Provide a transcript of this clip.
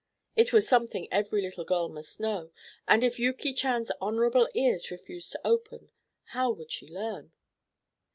It was something every little girl must know, and if Yuki Chan's honorable ears refused to open, how would she learn?